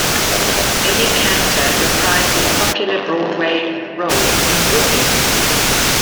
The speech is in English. Eddie Cantor reprised his popular Broadway role in Whoopee!